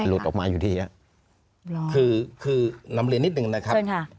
ลุดออกมาอยู่ดีอ่ะคือนำเรียนนิดหนึ่งนะครับเชิญค่ะ